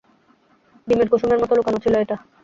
ডিমের কুসুমের মতো লুকানো ছিল এটা।